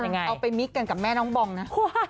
เอาไปมิกกันกับแม่น้องบองนะ